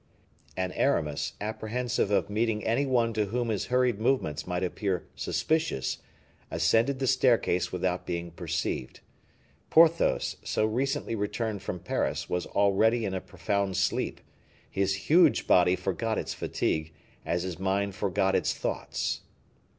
And Aramis, apprehensive of meeting any one to whom his hurried movements might appear suspicious, ascended the staircase without being perceived. Porthos, so recently returned from Paris, was already in a profound sleep; his huge body forgot its fatigue, as his mind forgot its thoughts.